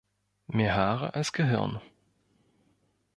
Mehr Haare als Gehirn.